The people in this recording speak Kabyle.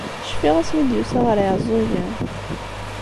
Cfiɣ asmi i d-yusa ɣer Yiɛeẓẓugen.